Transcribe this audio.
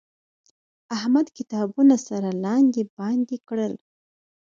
احمد کتابونه سره لاندې باندې کړل.